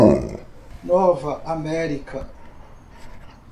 Nova América